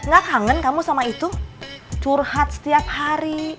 gak kangen kamu sama itu curhat setiap hari